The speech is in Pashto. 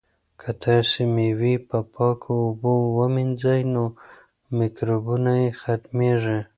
که تاسي مېوې په پاکو اوبو ومینځئ نو مکروبونه یې ختمیږي.